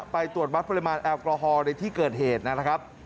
ไปตรวจวัดปริมาณแอลกอฮอล์ในที่เกิดเหตุนะครับ